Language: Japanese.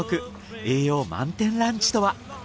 栄養満点ランチとは？